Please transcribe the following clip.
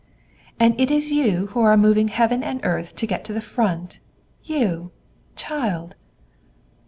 "And it is you who are moving heaven and earth to get to the Front! You child!"